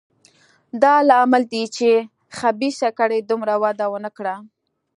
دا لامل دی چې خبیثه کړۍ دومره وده ونه کړه.